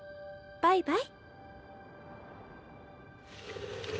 バイバイ。